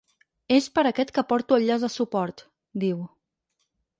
És per aquest que porto el llaç de suport, diu.